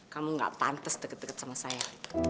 kamu nggak pantas deket deket sama saya